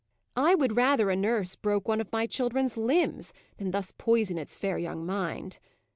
I would rather a nurse broke one of my children's limbs, than thus poison its fair young mind.